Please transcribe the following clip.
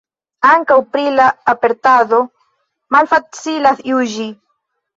Ankaŭ pri la aperdato malfacilas juĝi.